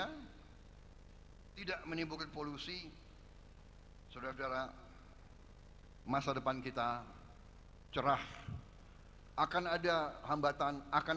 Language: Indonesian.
hai tidak menimbulkan polusi saudara saudara masa depan kita cerah akan ada hambatan akan